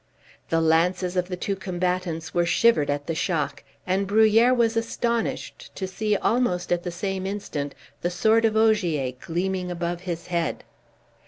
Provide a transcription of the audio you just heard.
The lances of the two combatants were shivered at the shock, and Bruhier was astonished to see almost at the same instant the sword of Ogier gleaming above his head.